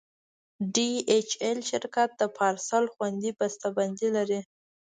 ډي ایچ ایل شرکت د پارسل خوندي بسته بندي لري.